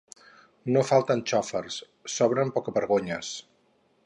“No falten xòfers, sobren pocavergonyes”.